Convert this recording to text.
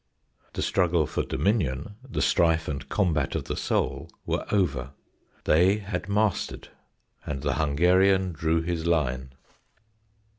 The struggle for dominion, the strife and combat of the soul were over; they had mastered, and the Hungarian drew his line.